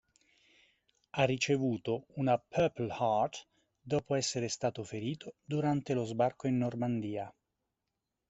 Ha ricevuto una Purple Heart dopo essere stato ferito durante lo Sbarco in Normandia.